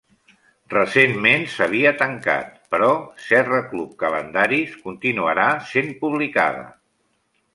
Recentment s'havia tancat, però Serra Club Calendaris continuarà sent publicada.